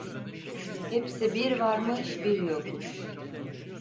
Hepsi bir varmış, bir yokmuş.